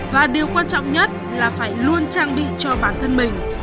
và điều quan trọng nhất là phải luôn trang bị cho bản thân mình